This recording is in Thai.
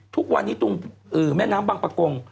ทุกวันนี้ตรงแม่น้ำบังปะกง